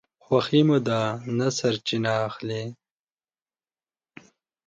خوښي مو ده نه سرچینه اخلي